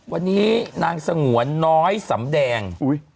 วันนี้นางสงวนน้อยสำแดง